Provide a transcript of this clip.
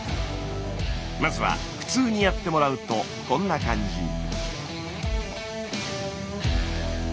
まずは普通にやってもらうとこんな感じ。